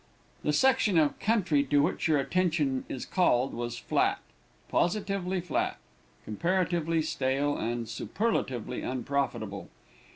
The section of country to which your attention is called was flat positively flat comparatively stale, and superlatively unprofitable.